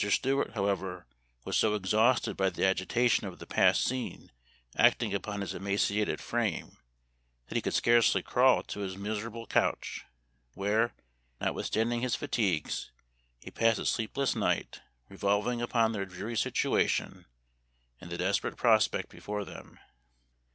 Stuart, however, was so exhausted by the agitation of the past scene acting upon his emaciated frame that he could scarce crawl to his miserable couch, where, notwithstanding his fatigues, he Memoir of Washington Irving. 235 passed a sleepless night, revolving upon their dreary situation, and the desperate prospect before them.